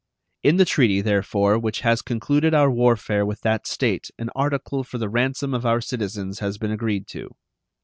In the treaty, therefore, which has concluded our warfare with that State an article for the ransom of our citizens has been agreed to.